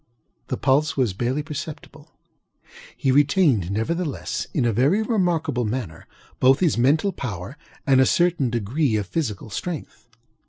The pulse was barely perceptible. He retained, nevertheless, in a very remarkable manner, both his mental power and a certain degree of physical strength.